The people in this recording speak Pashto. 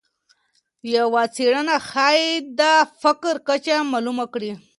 یوه څېړنه ښایي د فقر کچه معلومه کړي.